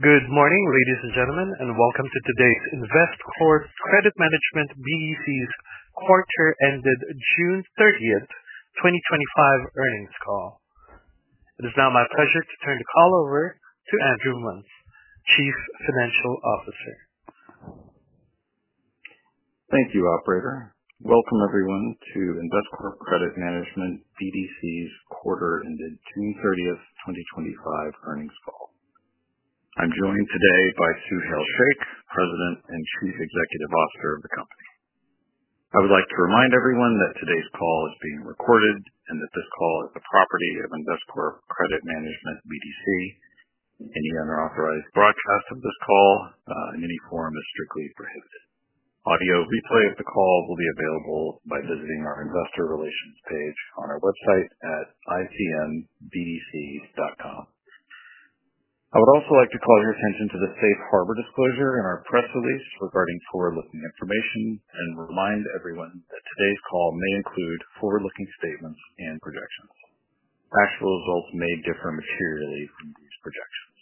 Good morning, ladies and gentlemen, and welcome to today's Investcorp Credit Management BDC's Quarter-Ended June 30, 2025 Earnings Call. It is now my pleasure to turn the call over to Andrew Muns, Chief Financial Officer. Thank you, operator. Welcome, everyone, to Investcorp Credit Management BDC's quarter-ended June 30, 2025 earnings call. I'm joined today by Suhail Shaikh, President and Chief Executive Officer of the company. I would like to remind everyone that today's call is being recorded and that this call is the property of Investcorp Credit Management BDC, and any unauthorized broadcast of this call in any form is strictly prohibited. Audio replay of the call will be available by visiting our Investor Relations page on our website at ITMBDC.com. I would also like to call your attention to the safe harbor disclosure in our press release regarding forward-looking information and remind everyone that today's call may include forward-looking statements and projections. Actual results may differ materially from these projections.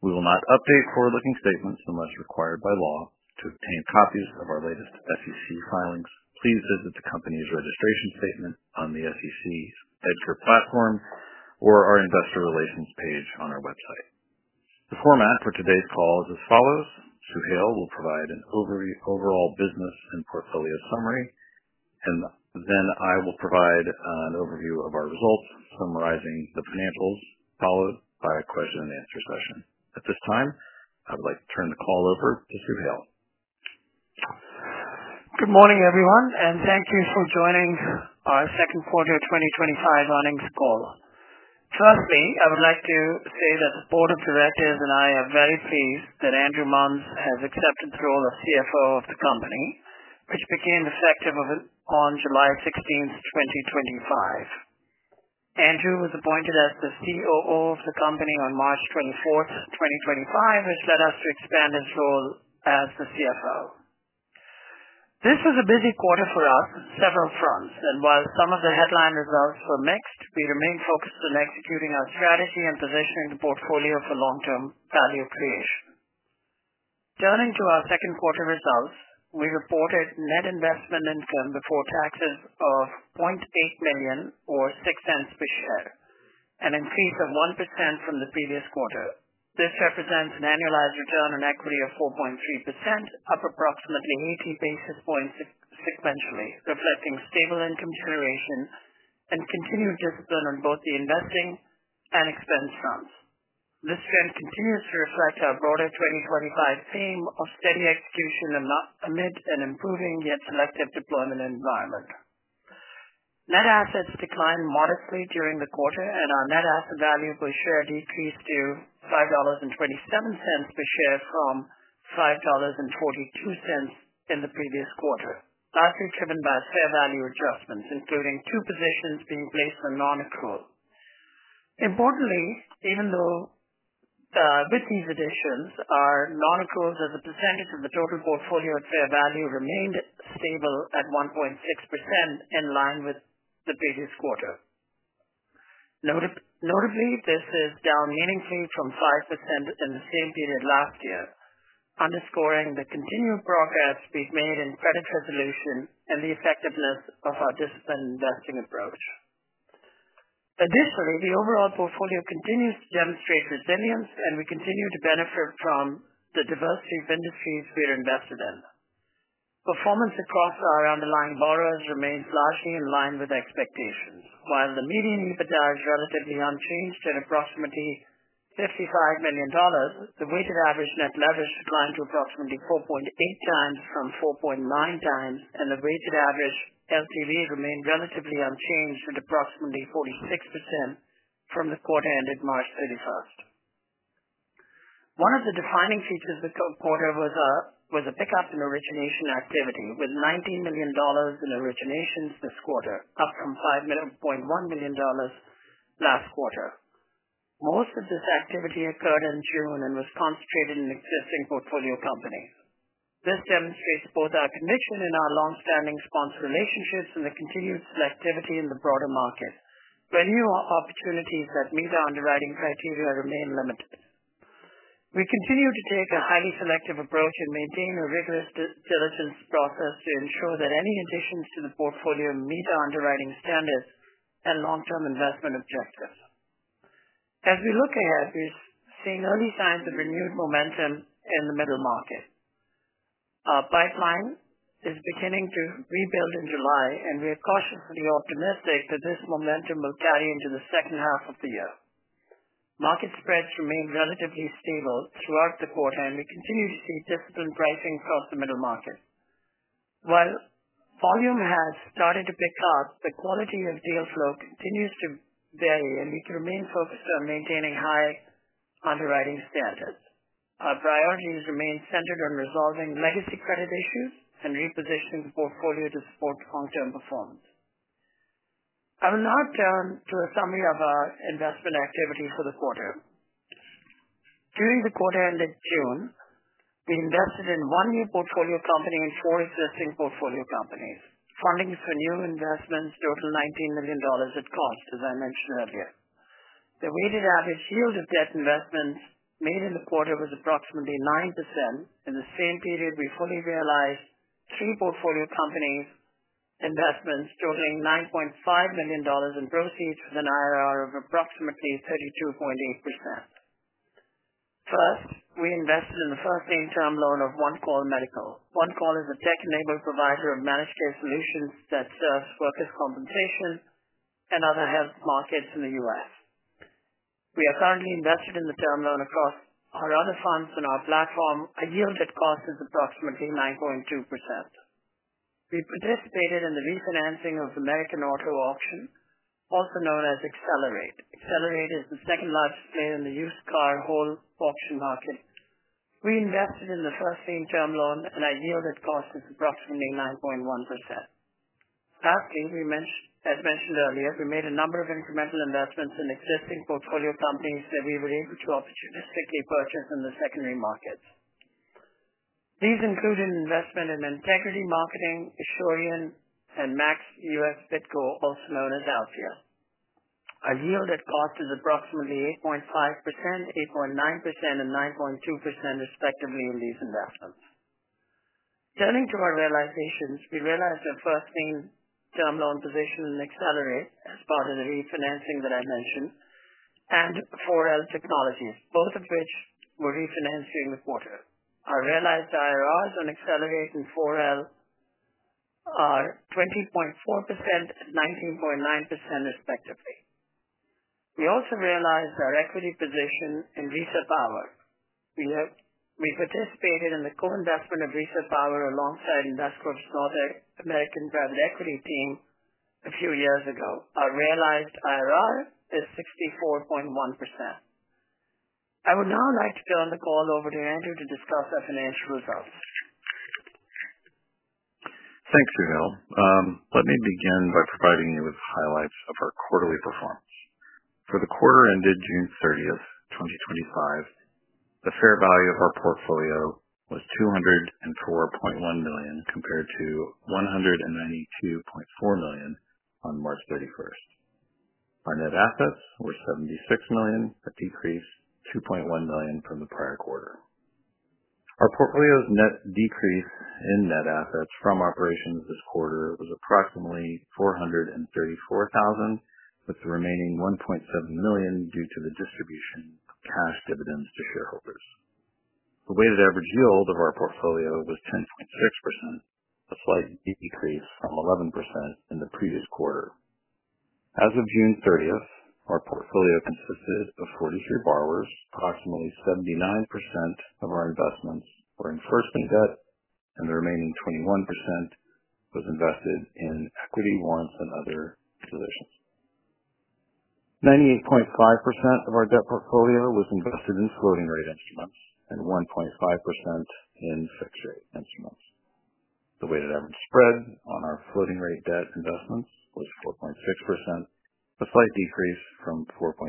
We will not update forward-looking statements unless required by law. To obtain copies of our latest SEC filings, please visit the company's registration statement on the SEC's EDGAR platform or our Investor Relations page on our website. The format for today's call is as follows: Suhail will provide an overall business and portfolio summary, and then I will provide an overview of our results, summarizing the financials, followed by a question and answer session. At this time, I would like to turn the call over to Suhail. Good morning, everyone, and thank you for joining our Second Quarter 2025 Earnings Call. Firstly, I would like to say that the Board of Directors and I are very pleased that Andrew Muns has accepted the role of CFO of the company, which became effective on July 16, 2025. Andrew was appointed as the COO of the company on March 24, 2025, which led us to expand his role as the CFO. This was a busy quarter for us on several fronts, and while some of the headline results were mixed, we remained focused on executing our strategy and positioning the portfolio for long-term value creation. Turning to our second quarter results, we reported net investment income before taxes of $0.8 million or $0.06 per share, an increase of 1% from the previous quarter. This represents an annualized return on equity of 4.3%, up approximately 18 basis points sequentially, reflecting stable income generation and continued discipline on both the investing and expense fronts. This trend continues to reflect our broader 2025 theme of steady execution amid an improving yet selective deployment environment. Net assets declined modestly during the quarter, and our net asset value per share decreased to $5.27 per share from $5.42 in the previous quarter, largely driven by fair value adjustments, including two positions being placed on non-accrual. Importantly, even though with these additions, our non-accruals as a percentage of the total portfolio at fair value remained stable at 1.6% in line with the previous quarter. Notably, this is down meaningfully from 5% in the same period last year, underscoring the continued progress we've made in credit resolution and the effectiveness of our disciplined investing approach. Additionally, the overall portfolio continues to demonstrate resilience, and we continue to benefit from the diversity of industries we are invested in. Performance across our underlying borrowers remains largely in line with expectations. While the median EBITDA is relatively unchanged at approximately $55 million, the weighted average net leverage declined to approximately 4.8x from 4.9x, and the weighted average LTV remained relatively unchanged at approximately 46% from the quarter ended March 31. One of the defining features of the quarter was a pickup in origination activity, with $19 million in originations this quarter, up from $5.1 million last quarter. Most of this activity occurred in June and was concentrated in existing portfolio companies. This demonstrates both our conviction in our longstanding sponsor relationships and the continued selectivity in the broader market. When opportunities that meet our underwriting criteria remain limited, we continue to take a highly selective approach and maintain a rigorous diligence process to ensure that any additions to the portfolio meet our underwriting standards and long-term investment objectives. As we look ahead, we've seen early signs of renewed momentum in the middle market. Our pipeline is beginning to rebuild in July, and we are cautiously optimistic that this momentum will carry into the second half of the year. Market spreads remain relatively stable throughout the quarter, and we continue to see disciplined pricing across the middle market. While volume has started to pick up, the quality of deal flow continues to vary, and we remain focused on maintaining high underwriting standards. Our priorities remain centered on resolving legacy credit issues and repositioning the portfolio to support long-term performance. I will now turn to a summary of our investment activity for the quarter. During the quarter ended in June, we invested in one new portfolio company and four existing portfolio companies, funding for new investments totaled $19 million at cost, as I mentioned earlier. The weighted average yield of debt investments made in the quarter was approximately 9%. In the same period, we fully realized three portfolio companies' investments, totaling $9.5 million in proceeds with an IRR of approximately 32.8%. First, we invested in the first lien term loan of One Call Medical. One Call is a tech-enabled provider of managed care solutions that serves workers' compensation and other health markets in the U.S. We are currently invested in the term loan across our other funds in our platform, and yield at cost is approximately 9.2%. We participated in the refinancing of American Auto Auction, also known as Accelerate. Accelerate is the second largest player in the used car wholesale auction market. We invested in the first lien term loan, and our yield at cost is approximately 9.1%. Lastly, as mentioned earlier, we made a number of incremental investments in existing portfolio companies that we were able to opportunistically purchase in the secondary markets. These included investment in Integrity Marketing, Asurion, and Max US Bidco, also known as Accelevation. Our yield at cost is approximately 8.5%, 8.9%, and 9.2% respectively in these investments. Turning to our realizations, we realized our first lien term loan position in Accelerate, as part of the refinancing that I mentioned, and 4L Technologies, both of which were refinanced during the quarter. Our realized IRRs on Accelerate and 4L Technologies are 20.4% and 19.9% respectively. We also realized our equity position in RESA Power. We participated in the co-investment of RESA Power alongside Investcorp's North American Private Equity team a few years ago. Our realized IRR is 64.1%. I would now like to turn the call over to Andrew to discuss our financial results. Thanks, Suhail. Let me begin by providing you with highlights of our quarterly performance. For the quarter ended June 30, 2025, the fair value of our portfolio was $204.1 million compared to $192.4 million on March 31. Our net assets were $76 million, a decrease of $2.1 million from the prior quarter. Our portfolio's net decrease in net assets from operations this quarter was approximately $434,000, with the remaining $1.7 million due to the distribution of cash dividends to shareholders. The weighted average yield of our portfolio was 10.6%, a slight decrease from 11% in the previous quarter. As of June 30, our portfolio consisted of 43 borrowers. Approximately 79% of our investments were in first lien debt, and the remaining 21% was invested in equity units and other positions. 98.5% of our debt portfolio was invested in floating rate instruments and 1.5% in fixed-rate instruments. The weighted average spread on our floating rate debt investments was 4.6%, a slight decrease from 4.7%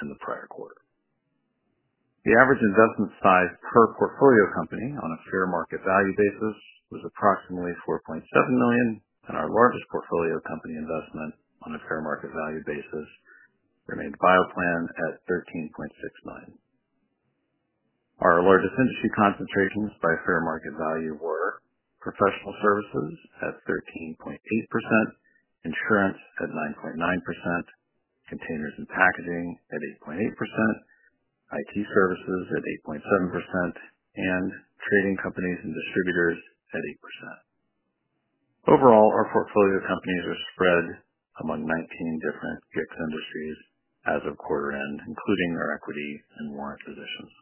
in the prior quarter. The average investment size per portfolio company on a fair market value basis was approximately $4.7 million, and our largest portfolio company investment on a fair market value basis remained BioPlan at $13.6 million. Our largest industry concentrations by fair market value were professional services at 13.8%, insurance at 9.9%, containers and packaging at 8.8%, IT services at 8.7%, and trading companies and distributors at 8%. Overall, our portfolio companies were spread among 19 different GICS industries as of quarter end, including our equity and warrant positions.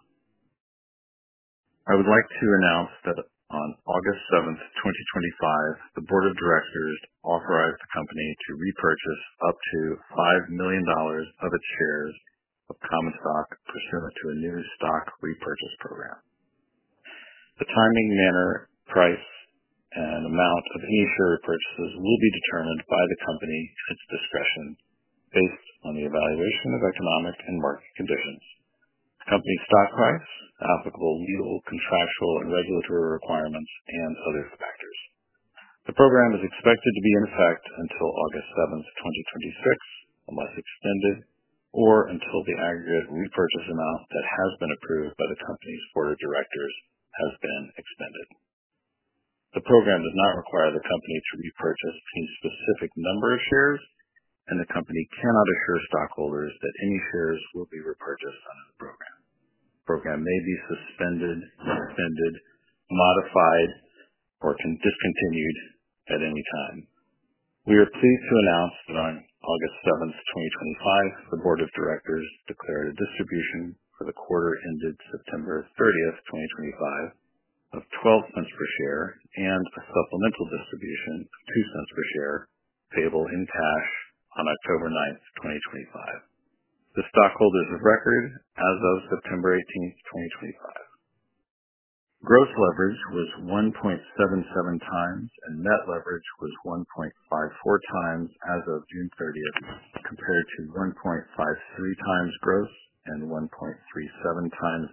I would like to announce that on August 7, 2025, the Board of Directors authorized the company to repurchase up to $5 million of its shares of common stock pursuant to a new stock repurchase program. The timing, manner, price, and amount of any repurchases will be determined by the company at its discretion based on the evaluation of economic and market conditions, company stock price, applicable legal, contractual, and regulatory requirements, and other factors. The program is expected to be in effect until August 7th, 2026, unless extended or until the aggregate repurchase amount that has been approved by the company's Board of Directors has been expended. The program does not require the company to repurchase a specific number of shares, and the company cannot assure stockholders that any shares will be repurchased under the program. The program may be suspended or extended, modified, or can be discontinued at any time. We are pleased to announce that on August 7th, 2025, the Board of Directors declared a distribution for the quarter ended September 30th, 2025, of $0.12 per share and a supplemental distribution of $0.02 per share, payable in cash on October 9, 2025, to stockholders of record as of September 18, 2025. Gross leverage was 1.77x and net leverage was 1.54x as of June 30, compared to 1.53x gross and 1.37x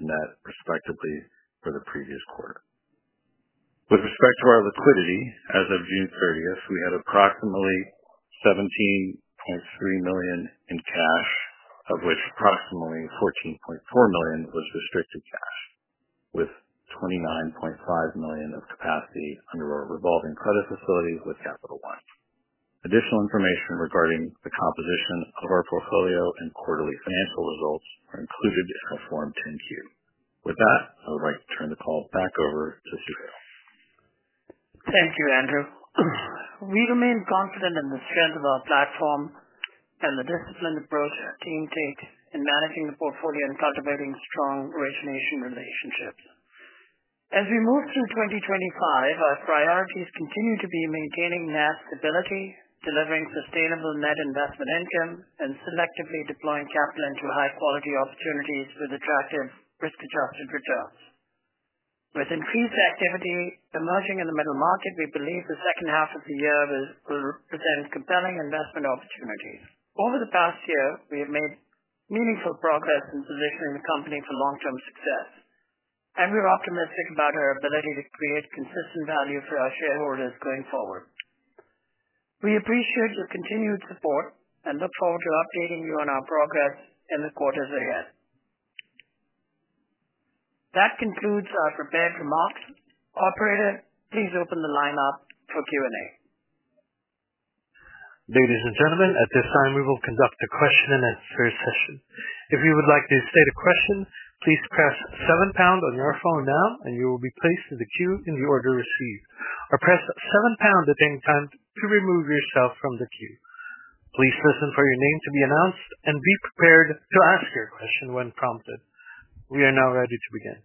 net, respectively, for the previous quarter. With respect to our liquidity, as of June 30, we have approximately $17.3 million in cash, of which approximately $14.4 million was restricted cash, with $29.5 million of capacity under our revolving credit facility with Capital One. Additional information regarding the composition of our portfolio and quarterly financial results are included in our Form 10-Q. With that, I would like to turn the call back over to Suhail. Thank you, Andrew. We remain confident in the strength of our platform and the disciplined approach to maintaining and managing the portfolio and cultivating strong origination relationships. As we move through 2025, our priorities continue to be maintaining net stability, delivering sustainable net investment income, and selectively deploying capital into high-quality opportunities with attractive risk-adjusted returns. With increased activity emerging in the middle market, we believe the second half of the year will present compelling investment opportunities. Over the past year, we have made meaningful progress in positioning the company for long-term success, and we're optimistic about our ability to create consistent value for our shareholders going forward. We appreciate your continued support and look forward to updating you on our progress in the quarters ahead. That concludes our prepared remarks. Operator, please open the line up for Q&A. Ladies and gentlemen, at this time, we will conduct a question and answer session. If you would like to state a question, please press seven pound on your phone now, and you will be placed in the queue in the order received. Press seven pound at any time to remove yourself from the queue. Please listen for your name to be announced and be prepared to ask your question when prompted. We are now ready to begin.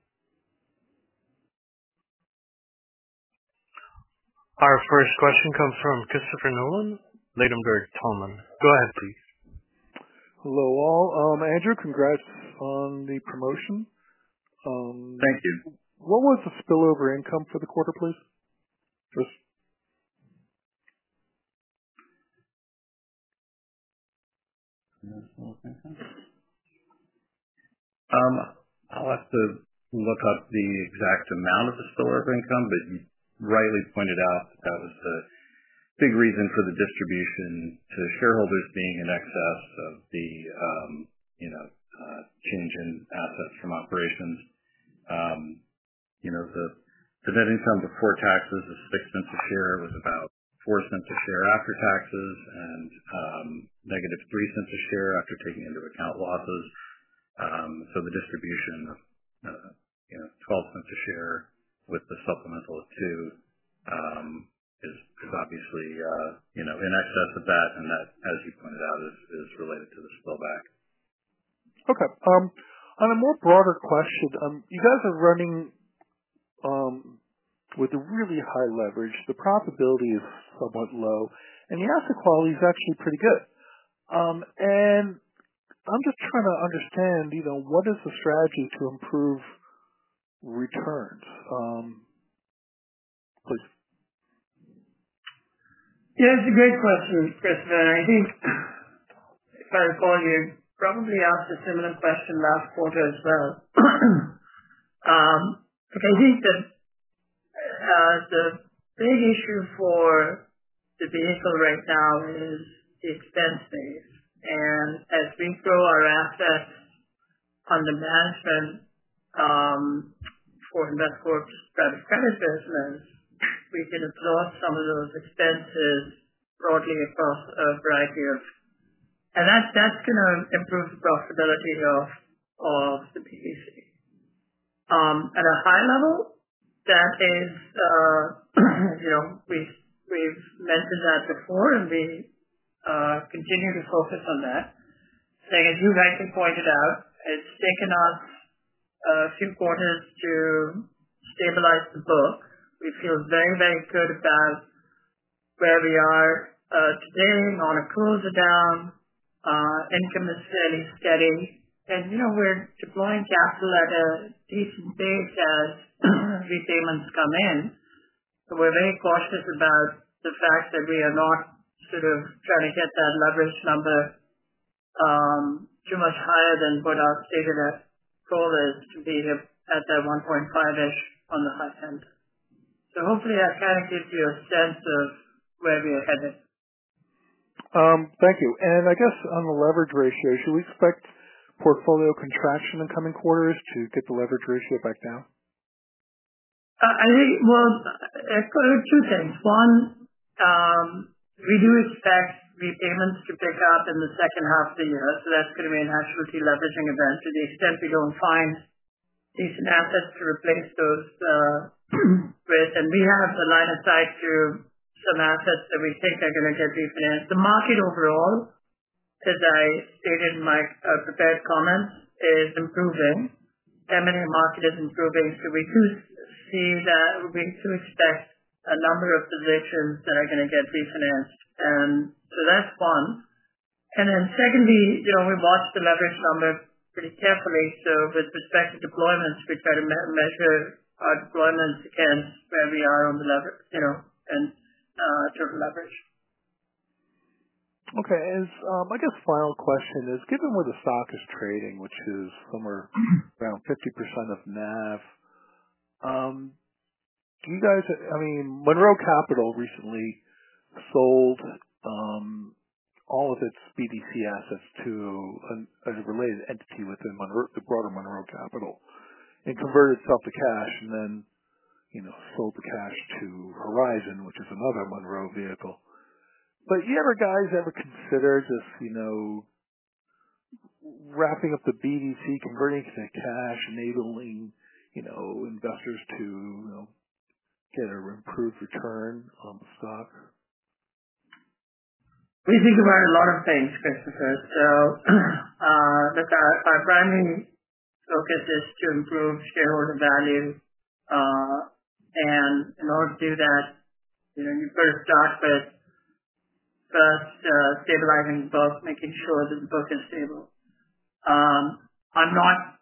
Our first question comes from Christopher Nolan, Ladenburg Thalmann. Go ahead, please. Hello all. Andrew, congrats on the promotion. Thank you. What was the spillover income for the quarter, please? I'll have to look up the exact amount of the store of income, but you rightly pointed out that that was the big reason for the distribution to shareholders being in excess of the, you know, tangent assets from operations. The dividend income before taxes is $0.06 a share, was about $0.04 a share after taxes, and negative $0.03 a share after taking into account losses. The distribution of $0.12 a share with the supplemental of $0.02 is obviously in excess of that, and that, as you pointed out, is related to the spillback. Okay. On a broader question, you guys are running with a really high leverage. The profitability is somewhat low, and the after quality is actually pretty good. I'm just trying to understand, you know, what is the strategy to improve returns, please. Yeah, it's a great question, Christopher. I think, if I recall, you probably asked a similar question last quarter as well. I think that the main issue for the vehicle right now is the expense base. As we grow our assets under management, or Investcorp's private credit business, we can draw some of those expenses across a variety of areas. That's going to improve the profitability of the BDC. At a high level, that is, you know, we've mentioned that before, and we continue to focus on that. As you guys have pointed out, it's taken us a few quarters to stabilize the book. We feel very, very good about where we are today on a close down. Income is fairly steady, and we're deploying capital at a decent pace as resalings come in. We are very cautious about the fact that we are not trying to get that leverage number too much higher than what our stated goal is, to be at that 1.5x-ish on the high end. Hopefully, that kind of gives you a sense of where we are headed. Thank you. I guess on the leverage ratio, should we expect portfolio contraction in coming quarters to get the leverage ratio back down? Actually, two things. One, we do expect repayments to pick up in the second half of the year, so that's going to be an absolutely leveraging event. To the extent we don't find decent assets to replace those with, and we have a line of sight to some assets that we think are going to get refinanced. The market overall, as I stated in my prepared comments, is improving. Eminent market is improving. We do see that we do expect a number of positions that are going to get refinanced. That's one. Secondly, you know, we watch the leverage number pretty carefully. With respect to deployments, we try to measure our deployments and where we are on the, you know, and total leverage. Okay. If my final question is, given where the stock is trading, which is somewhere around 50% of NAV, can you guys, I mean, Monroe Capital recently sold all of its BDC assets to a related entity within the broader Monroe Capital and converted itself to cash and then, you know, sold the cash to Horizon, which is another Monroe vehicle. Have you ever, guys, ever considered this, you know, wrapping up the BDC, converting it to cash, enabling, you know, investors to, you know, get an improved return on the stock? We think about a lot of things, Christopher. Our branding focus is to improve shareholder value, and in order to do that, you've got to start with stabilizing the book, making sure that the book is stable. I'm not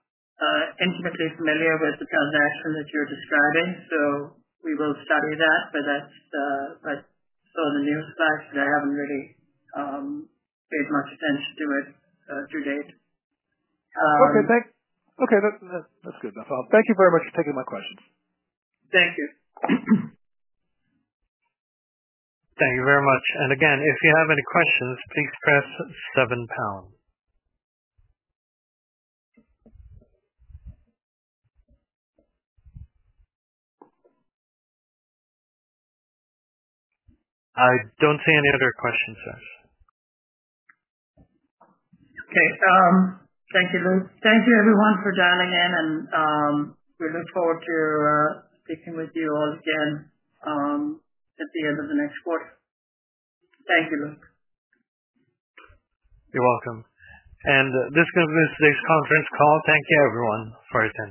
intimately familiar with the transaction that you're describing, so we will study that. That's on the news box, and I haven't really paid much attention to it to date. Okay. Thanks. Okay. That's good. That's all. Thank you very much for taking my questions. Thank you. Thank you very much. If you have any questions, please press seven pound. I don't see any other questions, sir. Okay. Thank you, Luke. Thank you, everyone, for dialing in, and we look forward to speaking with you all again at the end of the next quarter. Thank you, Luke. You're welcome. This concludes today's conference call. Thank you, everyone, for attending.